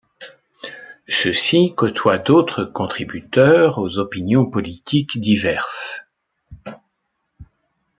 Ceux-ci côtoient d'autres contributeurs aux opinions politiques diverses.